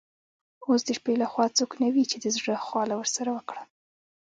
اوس د شپې له خوا څوک نه وي چي د زړه خواله ورسره وکړم.